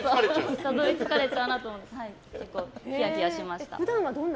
たどり着かれちゃうかなと思って結構ひやひやしました。